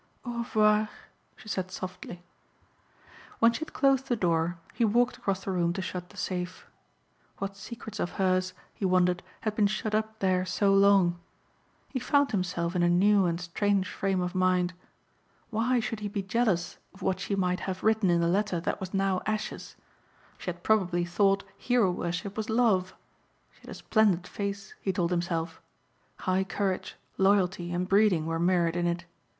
"Au revoir," she said softly. When she had closed the door he walked across the room to shut the safe. What secrets of hers, he wondered, had been shut up there so long. He found himself in a new and strange frame of mind. Why should he be jealous of what she might have written in the letter that was now ashes? She had probably thought hero worship was love. She had a splendid face he told himself. High courage, loyalty and breeding were mirrored in it.